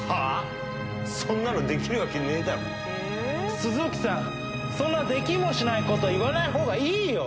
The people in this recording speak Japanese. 鈴木さん、そんなできもしないこと言わないほうがいいよ。